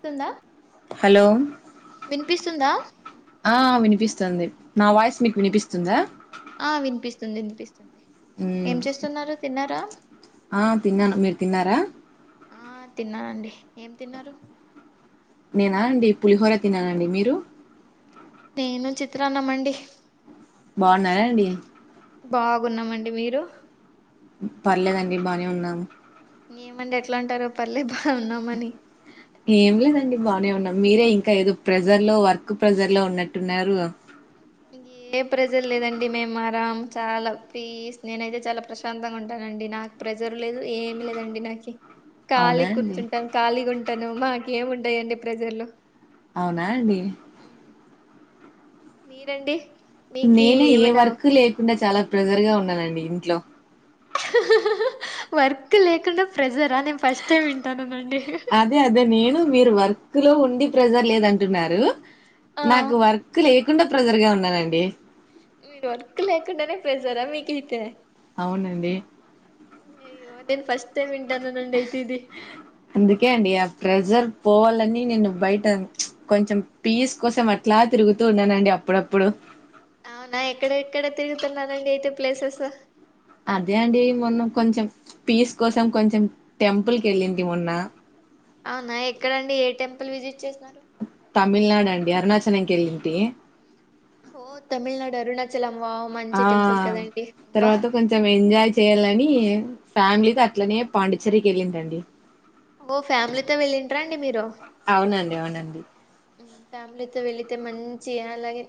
స్తుందా hello వినిపిస్తుందా ఆ వినిపిస్తుంది నా వాయిస్ మీకు వినిపిస్తుందా వస్తుంది మ్ ఆ తిన్నాను మీరు తిన్నారా ఆ తిన్నానండి ఏం తిన్నారు నేనా అండి పులిహోర తిన్నానండి మీరు నేను చిత్రాన్నం అండి బావున్నారా అండి బాగున్నామండి మీరు పర్లేదండి బానే ఉన్నా ఏమండి అట్లా అంటారు పర్లేద్ ఏం లేదండి బానే ఉన్నాం మీరే ఇంకా ఏదో ప్రెజర్ లో వర్క్ ప్రెజర్ లో ఉన్నట్టున్నారు ఏ ప్రెజర్ లేదండి. మేము ఆరాం చాలా పీస్ నేనైతే చాలా ప్రశాంతంగా ఉంటానండి. నాకు ప్రెజర్ లేదు ఏమి లేదండి నాకి. అవునా ఖాలి అండి కుర్చుంటాను కాలిగా ఉంట అంటాను మాకు ఏము ఉంటాయండి ప్రెషర్ అవునా అండి ఉ మీరండి మీకి నేను ఏ ఏమైనా వర్కు లేకుండా చాలా ప్రెజరుగా ఉన్నానండి ఇంట్లో వర్క్ లేకుండా ఫ్రెజర్ ఆ నేను ఫస్ట్ టైం వింటన్నాను అండి క్ లో ఉండి ప్రజర్ లేదంటున్నారు ఆ నాకు వర్క్ లె కుండా ప్రజర్గా ఉన్నానండి మీరు వర్క్ లేకుండానే ప్రెషర మీ కైతే అవునండి అయ్యో నేను ఫస్ట్ టైమ్ ఇం హ అందుకే అండి ఆ ప్రెజర్ పోవాలని నేను బయట చ్ కొంచెం పీస్ కోసం అట్లా తిరుగుతూ ఉన్నానండి అప్పుడప్పుడు అవునా ఎక్కడ ఎక్కడ తిరుగుతున్నారండి అయితే ప్లేసెస్ అదే అండి మొన్న కొంచెం పీస్ కోసం కొంచెం టెంపుల్ కి వెళ్ళింది మొన్న అవునా ఎక్కడండి ఏ టెంపుల్ విజిట్ చేసిన తమిళనాడు అండి అరుణాచలంవకేలింటీ ఓ తమిళనాడు అరుణాచలం వావ్ ఆ మంచి టెంపుల్ కదండి అబ్బా తర్వాత కొంచెం ఎంజాయ్ చేయాలని ఫ్యామిలీతో అట్లనే పాండిచ్చేర్రికి వెళ్ళిందండి ఓ ఫ్యామిలీతో వెళ్ళింట్రా అండి మీరు అవునండి అవునండి ఫ్యామిలీతో వెళితే మంచి అలాగే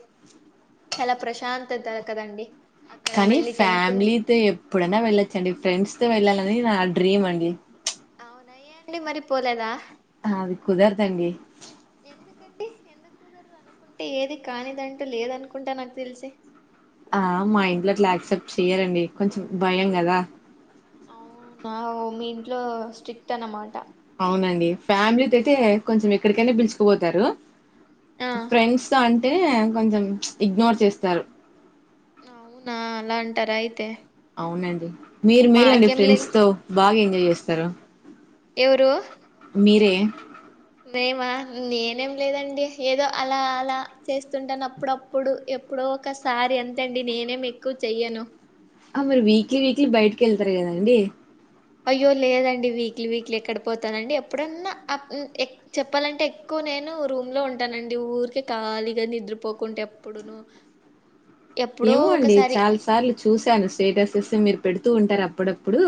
చాల ప్రశాంతత కదండి అక్కడ కానీ మళ్ళీ టెంపుల్ని ఫ్యామిలీతో ఎప్పుడైనా వెళ్ళొచ్చండి ఫ్రెండ్స్ తో వెళ్ళా లీ అది నా డ్రీమ్ అండి అవునా ఏ అండి మరి పోలేదా అది కుదరదు అండి ఎందుకండి ఎందుకు కుదరదు అనుకుంటే ఏది కానిదంటూ లేదనుకుంటా నాకు తెలిసి ఆ మైండ్ల రిలాక్స్ చేయరండి కొంచెం భయం గదా ట్లో స్ట్రిక్ట్ అన్నమాట అవునండి ఫ్యామిలీ తో అయితే కొంచెం ఎక్కడికైనా పిలుచుకుపోతారు. ఆ ఫ్రెండ్స్ అం టే కొంచెం ఇగ్నోర్ చేస్తారు అవునా అలా అంటారా అయితే అవునండి మీరు మేలండి మాకేం లేదు ఫ్రెండ్స్ తో బాగా ఎంజాయ్ చేస్తారు ఎవరు [unintelligible] మేమా నేనేం లేదండి ఏదో అలా అలా చేస్తుంటాను. అప్పుడప్పుడు ఎప్పుడో ఒకసారి అంతేండి నేనేం ఎక్కువ చెయ్యను. ఆ మీరు వీక్లీ వీక్లీ బయటకి వెళ్తారు కదండి వీక్లి వీక్లి ఎక్కడ పోతానండి. ఎప్పుడన్నా అం ఎక్ చెప్పాలంటే ఎక్కువ నేను రూమ్ లో ఉంటానండి. ఊరికె ఖాళీగా నిద్రపోకుంట ఎప్పుడునూ ఏమో అండి చాలా సార్లు చూసాను స్టేటస్ ఇస్తే మీరు పెడుతూ ఉంటారు. అప్ ప్పుడప్పుడు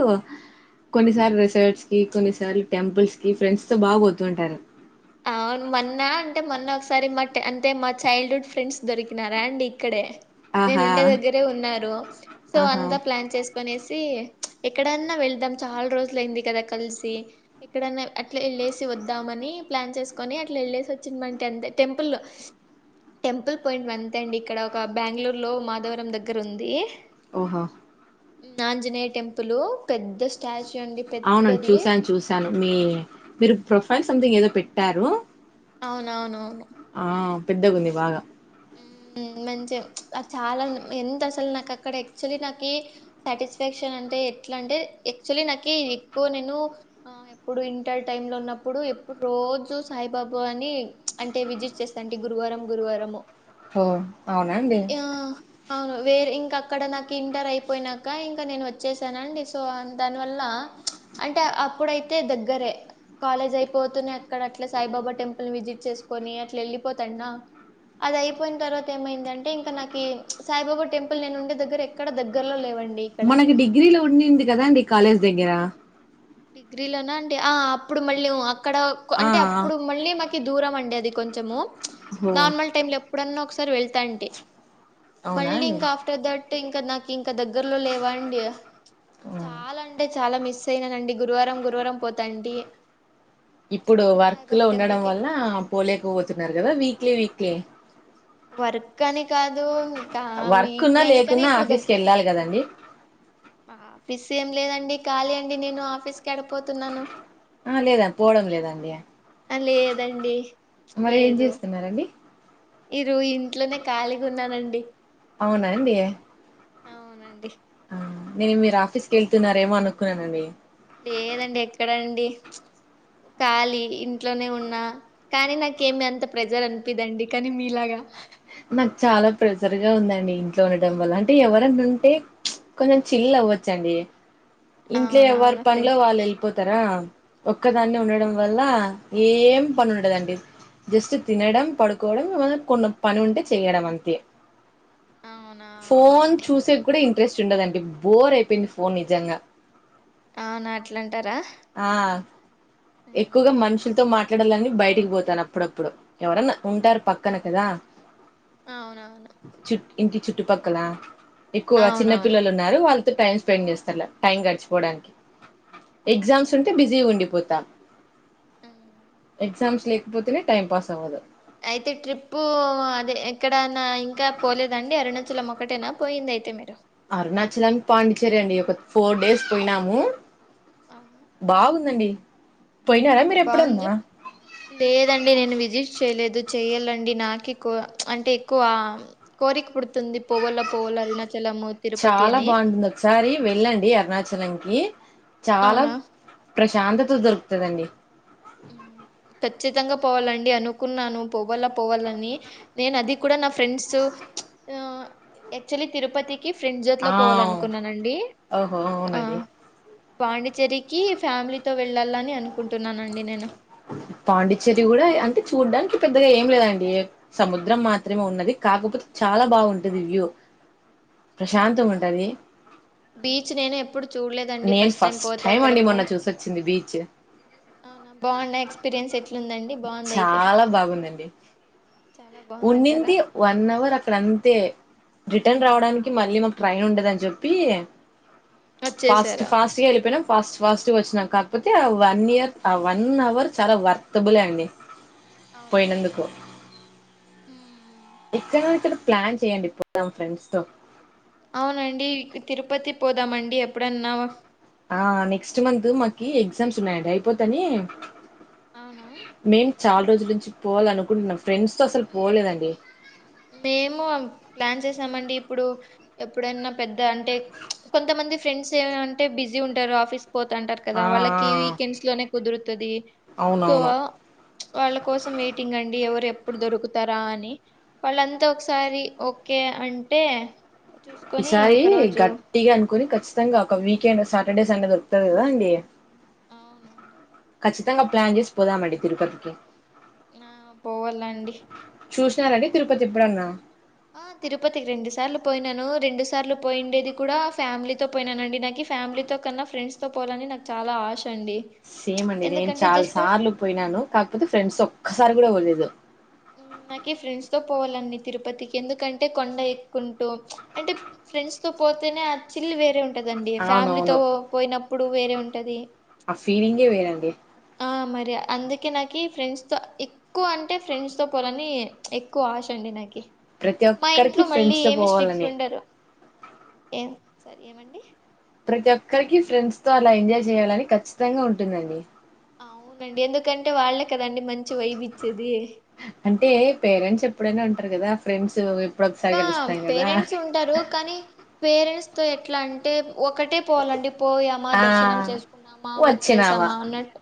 కొన్నిసార్ రిసార్ట్స్ కి కొన్నిసార్లు టెంపుల్స్ కి ఫ్రెండ్స్ తో బాగా పోతుంటారు. సరే మా టెంట్ అంటే మా చైల్డ్హుడ్ ఫ్రెండ్స్ దొరికినారా అండి ఇక్కడే నేను ఆహా ఉండే దగ్గరే ఉన్నారు. సో ఆహా అంతా ప్లాన్ చేస్ కనేసి ఎక్కడన్నా వెళ్దాం చాలా రోజులయింది కదా కలిసి ఎక్కడన్నా అట్లా వెళ్ళసి వద్దామని ప్లాన్ చేసుకొని అట్లా వెళ్ళేసి వచ్చినంట అంత టెంపుల్ టెంపుల్ పాయింట్ అంతే అండి ఇక్కడ ఒక బెంగళూరులో మాధవరం దగ్గర ఉంది ఓహో నాంజనేయ టెంపుల్ పెద్ద స్టాచ్యూ అండి అవునండి పెద్దది చూసాను చూసాను మీ మీరు ప్రొఫైల్ సంథింగ్ ఏదో పెట్టారు అవునవునువును ఆ పెద్దగుంది బాగా మంచిగా చాలా ఎంత అసలు నాకు అక్కడ యాక్చువలీ నాకి సాటిస్ఫాక్షన్ అంటే ఎట్లా అంటే యాక్చువలీ నాకి ఎక్కువ నేను ఎప్పుడు ఇంటర్ టైమ్ లో ఉన్నప్పుడు ఎప్పుడు రోజు సాయిబాబా అని అంటే విజిట్ చేస్తా అంటే గురువారం గురువారంము అవునా అండి అవును వేరే ఇంకా అక్కడ నాకు ఇంటర్ అయిపోయినాక ఇంకా నేను వచ్చేసానండి సో దానివల్ల అంటే అప్పుడైతే దగ్గరే కాలేజ్ అయిపోతూనే అక్కడ అట్లా సాయిబాబా టెంపుల్ విజిట్ చేసుకొని అట్లా వెళ్ళిపోతాన్న అది అయిపోయిన తర్వాత ఏమైంది అంటే ఇంకా నాకు సాయిబాబా టెంపుల్ నేను ఉండే దగ్గర ఎక్కడ దగ్గరలో లేవండి ఇక్కడ మనకి డిగ్రీలో ఉండింది కదాండి కాలేజ్ దగ్గర డిగ్రీలోనా అండి ఆ అప్పుడు మళ్ళీ అక్కడ ఆ! అంటే ఆ! అప్పుడు మళ్ళీ మా క దూరం అండి అది కొంచము ఓహో! నార్మల్ టైమ్ లో ఇప్పుడన్నా ఒకసారి వెళ్తా అంటే అవునా అండి? మళ్ళలింక్ ఆఫ్టర్ దట్ ఇంకా నాకి ఇంకా దగ్గరలో లేవాండి హ్మ్. చాలా అంటే చాలా మిస్ సేనా నండి గురువారం గురువారం పోతాండి ఇప్పుడు వర్క్ లో ఉండడం వల్ల పోలేకపోతున్నారు కదా వీక్లీ వీక్ ప్ వర్క్ అని కాదు ఇంకా వర్క్ ఉన్నా వీక్లీ అని కానీ లేకున్నా ఇప్పుడు దగ్గ ఆఫీస్‌కెళ్ళాలి గదండీ. ఫిస్ ఏం లేదండి కాలీ అండి నేను ఆఫీస్ ఎడపోతున్నాను ఆ! లేదా పోవడం లేదండి. లేదండి మరి ఏం లేదు జేస్తున్నారండి? ఇరు ఇంట్లోనే ఖాళీగా ఉన్నానండి అవునండి అవునండి ఆ నేను మీరు ఆఫీస్కి ఉమ్. వెళ్తున్నారేమోనుకు కుండి లేదండి ఎక్కడండి ఖాలీ ఇంట్లోనే ఉన్నా కానీ నాకేమి అంత ప్రెజర్ అనిపిదండి కానీ మీలాగా చాలా ప్రెజర్ గా ఉందండి ఇ ఉండడం వల్ల ఉమ్. అంటే ఎవర అంటే కొంచెం చిల్ అవ్వచ్చండి ఇంట్లో ఎవరి అవునవును పనిలో ఫ్రెండ్ వాళ్ళు వెళ్ పోతారా ఒక్కదాన్ని అవునవును ఉండడం వల్ల ఏం పని ఉండదండి జస్ట్ తినడం పడుకోవడం ఏమనా కొన్ని పనింటడి చేయడం అంతే అవునా ఫోన్ అవునులేండి చూసే కూడా ఇంకా ఇంట్రెస్ట్ ఉండదండి బోర్ అయిపోయింది ఫోన్ నిజంగా ఆనా అట్లంటారా ఆ! ఎక్కువగా మనుషులతో మాట్ కట్టడలన్నీ బయటికి పోతాను అప్పుడప్పుడు ఎవరన్నా ఉంటారు పక్కన కదా అవున అవును చు ఇంటి చుట్పక్కలా ఎక్కువగా చిన్న అవునవును పిల్లలు ఉన్నారు వాళ్ళు టైమ్ స్పెండ్ చేస్తారు టైం గడిచిపోవడానికి ఎగ్జామ్స్ అవునా ఉంటే బిజీగా ఉండిపోతాం ఉమ్. ఎజామ్స్ లే పతుిన టైం పాస్ ఆవదు అయితే ట్రిప్పు అదే ఎక్కడనా ఇంకా పోలేదండి అరుణాచలం ఒకటేనా పోయింది అయితే మీరు అరుణాచల్ అనికి పాండిచ్చేరి అండి ఒక ఫోర్ డేస్ పోయినాము బాగుందండి పోయినారా మీరు బాగుంది ఎప్పుడన్నా లేదండి నేను విజిట్ చేయలేదు అ చెయాలండి నాక అంటే ఎక్కువ కోరిక పుడుతుంది పోగల పోవల చాలా బాగుంటుంది ఒకసారి వెళ్ళండి అరుణాచలంకి చాలా అవునా ప్రశాంతత దొరుకుతుదండి ఖచ్చితంగా పోవాలండి అనుకున్నాను పోవాల పోవాలని నేను అది నా ఫ్రెండ్స్ అక్చుఅల్లీ నాకు తిరుపతి ఫ్రండ్ జట్లో ఆ పోవాల అనుకున్నానండి ఓహో అవునండి పాండిచేరికిి ఫ్యామిలీతోవెళ్ళాలని అనుకుంటున్నానండి నేను పాండిచ్చేరి కూడా అంటే చూడ్డానికి పెద్దగా ఏం లేదండి సముద్రం మాత్రమే ఉన్నది కాకపోతే చాలా బాగుంటది వ్యూ అవునా ప్రశాంతంగా ఉంటది బీచ్ నేను ఎప్పుడు చూడలేదు నేను ఫస్ట్ టైం అండి మొన్న చూసొచ్చింది బీచ్ అవునా బాగున్నా ఎక్స్పీరియన్స్ ఎట్లుందండి బాగుంది అయితే చాలా బాగుందండి చాలా బాగుందంటారా ఉన్నింది వన్ అవర్ అక్కడ అంతే రిటర్న్ ఉమ్. రావడానికి మళ్ళీ మా ట్రైన్ ఉండదని చెప్పి ఫాస్ట్ వచ్చేసారా ఫాస్ట్గా వెలిపోయిన ఫాస్ట్ ఫాస్ట్గ వచ్చినాం కాకపోతే ఆ వన్ ఇయర్ ఆ వన్ అవర్ చాలా వర్తబులే అండి అవునా? పోయినందుకు ఉమ్. ఇక్కడ క్కడ ప్లాన్ చెయండి పొదాం ఫ్రెండ్స్ తో అవునండి తిరుపతి పోదామండి ఎప్పుడన్నా ఆ నెక్స్ట్ మంత్ మాకి ఎగ్జామ్స్ ఉన్నాయండి అయిపోతాని అవునా రోజుల్ నుంచి పోవాల అనుకుంటున్నా ఫ్రెండ్స్ తో అసలు పోలేదండి మేము ప్లాన్ చేసామండి ఇప్పుడు ఎప్పుడైనా పెద్ద అంటే కొంతమంది ఫ్రెండ్స్ ఏ అంటే బిజీ ఉంటారు ఆఫీస్ పోతంటారు కదా ఆ! ఆ! వాళ్ళకి వీకెండ్స్ లోనే కుదురుత తుది సో అవునవును. వాళ్ళ కోసం మీటింగ్ అండి ఎవరేం ఇప్పుడు దొరుకుతారా అని వాళ్ళంతా ఒకసారి ఓకే అంటే చూసుకొని ఈసారి ఒక రోజు గట్టిగా అనుకొని ఖచ్చి తంగా ఒక వీకెండ్ సాటర్డే సండే దొరుకుతది గదా అండి అవునండి ఖచ్చితంగా ప్లాన్ చేసి పోదామండి తిరుపతికి న పోవళ్ళండి చూసినారండి తిరుపతి ఎప్పుడున్నా ఆ తిరుపతికి రెండు సార్లు పోయినాను రెండు సార్లు పోయిండేది కూడా ఫ్యామిలీతో పోయినానండి నాకు ఫ్యామిలీతో కన్నా ఫ్రెండ్స్ తో పోవాలని నాకు చాలా ఆశ అండి సేమ్ అండి నేను ఎందుకంటే చాలా జస్ట్ సార్లు పోయినాను కాకపోతే ఫ్రెండ్స్ ఒక్కసారి కూడా పోలీదు నాకి ఫ్రెండ్స్ తో పోవాలండి తిరుపతికి ఎందుకంటే కొండ ఎక్కుంటూ అంటే ఫ్రెండ్స్ తో పోతేనే ఆ చిల్ వేరే ఉంట టదండి ఫ్యామిలీతో అవునవును. పోయినప్పు ఇప్పుడు వేరె ఉంటది ఆ ఫీలింగే వేరండి అ మరి అందుకే నాకి ఫ్రెండ్స్ తో ఎక్కువ అంటే ఫ్రెండ్స్ తో పోలని ఎక్కువ ఆశ అండి నాకి ప్రతి మా ఒక్కరికి ఇంట్లో మళ్ళీ ఫ్రెండ్స్ తో ఏమి స్ట్రిక్ట్ పోవాలని ఉండరు ఏం సర్ ఏమండి ప్రతి ఒక్కరికి ఫ్రెండ్స్ తో అలా ఎంజాయ్ జేయాలని ఖచ్చితంగా ఉంటుందండి అవునండి ఎందుకంటే వాళ్లేే కదండి మంచి వైబిచ్చేది అఅంటారు గదా ఫ్రెండ్స్ ఒకసారి ఆ కలుస్తాం కదా పేరెంట్స్ ఉంటారు కానీ పేరెంట్స్ తో ఎ ఇట్లా అంటే ఒకటే పోవాలంటే పోయామా ఆ దర్శనం చేసుకున్నామా వచ్చినామా వచ్చేసామా అన్నట్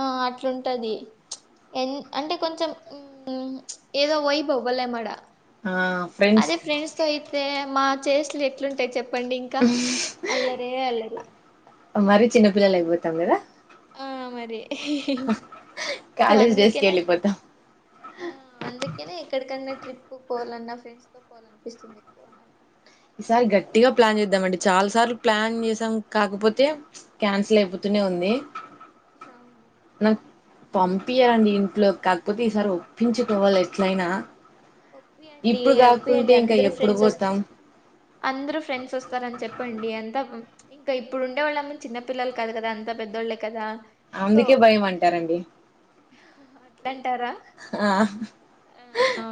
ఆ అట్లుంటది ప్చ్ ఎన్ అంటే కొంచెం మ్మ్ ప్చ్ ఏదో వైబ్ అవ్వలే మడ ఆ ఫ్రెండ్స్ తే మా చేస్లు ఎట్లుంటాయి చెప్ చెప్పండి ఇంకా అల్లరే అల్లరి మరీ చిన్న పిల్లలైపోతాం కదా ఆ మరి సో కాలేజ్ డేస్ కి అందుకేనే వెళ్ళిపోతాం. ఆ అందుకేనే ఎక్కడికన్నా ట్రిప్ పోవాల నా ఫ్రెండ్స్ తో పోవాలనిపిస్తుంది ఎక్కువ నాకి ఈసారి గట్టిగా ప్లాన్ చేద్దాం అండి చాలా సార్లు ప్లాన్ చేసాం కాకపోతే క్యాన్సల్ అయిపోతూనే ఉంది అవును నాకు పంపియరండి ఇంట్లో కాకపోతే ఈసారి ఒప్పించుకోవాలి ఎట్లయినా ఒప్పియండి ఇప్పుడు కాకుంటే ఒప్పియండి ఇంకా అందరూ ఎప్పుడు ఫ్రెండ్స్ వస్ పోతాం అందరూ ఫ్రెండ్స్ వస్తారని చెప్ చెప్పండి అంతా ఇంకా ఇప్పుడు ఉండే వాళ్ళము చిన్న పిల్లలు కాదు కదా అంత పెద్దోళ్ళే కదా అందుకే భయం అంటారండి అట్ల్ ద్దంటారా ఆ ఆ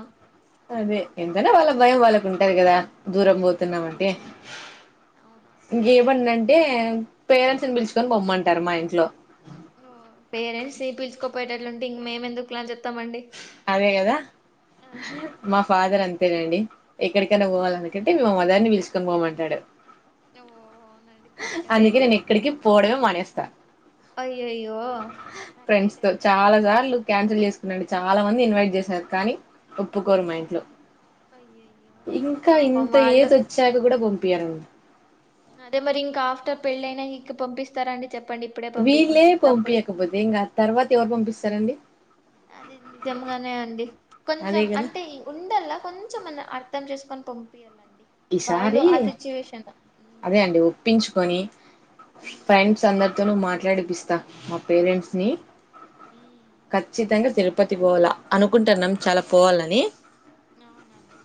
అదే ఎంతన్నా వాళ్ళ భయం వాళ్ళకి ఉంటాది కదా దూరం అది పోతున్నామంటే నిజమేలేండి అవునవును ఇంకేమన్నా ఆన్ అంటే పేరెంట్స్ని పిలుచుకొని పోమ్మంటారు మా ఇంట్లో ఓ పేరెంట్స్ ని పిలిచకోపోయటట్లుంటే ఇంక మేము ఎందుకు లే అని చెప్ అదే కదా ఆ మా ఫాదర్ ఆన్ తే నండి ఎక్కడికైనా ఉమ్, పోవాల అవును అనుంటే మా మదర్ నీ పిల్చ్ తుమ్మ మంటాడు నువ్వు అవునండి పెద్ద కథ అందుకే అయితే నేను ఎక్కడికి పోవడమే మానేస్తా అయ్యయ్యో ఫ్రెండ్స్ అట్లయితే తో ఎట్లా చాలా సార్లు క్యాన్సిల్ చేస్ నన్ను చాలా మంది ఇన్వైట్ చేసారు కానీ ఒప్పుకోరు మా ఇంట్లో అయ్యయ్యో ఇంకా పాపం ఇంత వాళ్ళు ఏజ్ వచ్చాక కూడా పొమ్ పియరు అదే మరి ఇంకా ఆఫ్టర్ పెళ్లైనా ఇక పంపిస్తార అండి వీళ్ళే పంపియకపోతే ఇంక ఆ తరువాత ఎవరు పంపిస్ తరండి అదే నిజముగానే అండి అదే కొంచెం కదా అంటే ఉండల్లా కొంచెంమన్నా ఆర్ ర్థం చేసుకొని పంపియల ఆన్ ఈసారి ఉమ్, అదే అండి ఒప్పించుకొని ఉమ్, ఫ్రెండ్స్ అందరితోను మాట నడిపిస్తా పేరెంట్స్ ని ఉమ్, ఉమ్. ఖచ్చితంగా తిరు పతి పోవాల అనుకుంటున్నాం చాలా పోవాలని ఆవునఅండి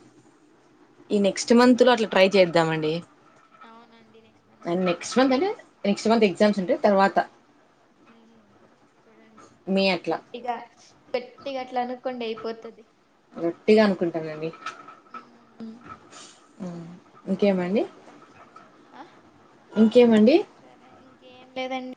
ఈ నెక్స్ట్ మంత్ లో అట్లా ట్రై చేద్దాం అండి అవునండి నెక్స్ట్ మంత్ అట్లా నెక్స్ట్ మంత్ అ నెక్స్ట్ మంత్ ఎక్సామ్స్ ఉంటయి తర్వాత ఉ చూడండి మే అట్లా గట్టిగ గట్టిగా అట్లా అనుకోండి అయిపోతది గట్టిగా అనుకుంటనండి ఉమ్, ఉ హు కేమండి ఆ, ఇంకేమండి ఏం లేదండి